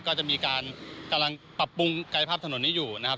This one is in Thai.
ก็จะมีการกำลังปรับปรุงกายภาพถนนนี้อยู่นะครับ